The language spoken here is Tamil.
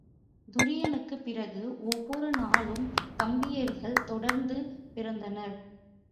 துரியனுக்குப்பிறகு ஒவ்வொரு நாளும் தம்பியர்கள் தொடர்ந்து பிறந்தனர்.